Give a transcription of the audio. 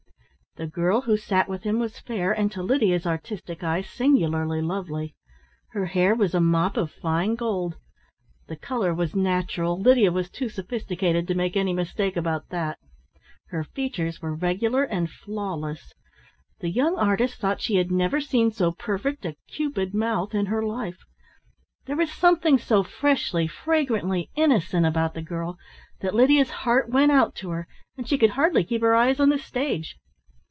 The girl who sat with him was fair, and to Lydia's artistic eye, singularly lovely. Her hair was a mop of fine gold. The colour was natural, Lydia was too sophisticated to make any mistake about that. Her features were regular and flawless. The young artist thought she had never seen so perfect a "cupid" mouth in her life. There was something so freshly, fragrantly innocent about the girl that Lydia's heart went out to her, and she could hardly keep her eyes on the stage.